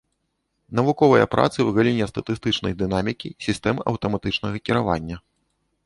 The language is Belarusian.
Навуковыя працы ў галіне статыстычнай дынамікі сістэм аўтаматычнага кіравання.